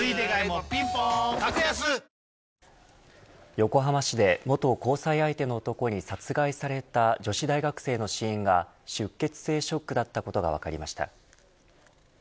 横浜市で元交際相手の男に殺害された女子大学生の死因が出血性ショックだったことが分かりました。